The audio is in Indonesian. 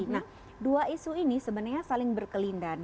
nah dua isu ini sebenarnya saling berkelindan